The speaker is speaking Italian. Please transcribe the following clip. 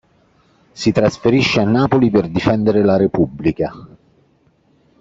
Si trasferisce a Napoli per difendere la Repubblica.